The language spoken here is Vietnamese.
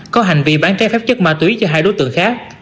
có hành vi bán trái phép chất ma túy cho hai đối tượng khác